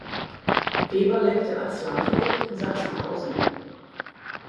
Weber lebte als Landwirt in Sachsenhausen.